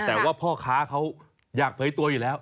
แต่ว่าพ่อค้าเขาอยากเผยตัวอยู่แล้ว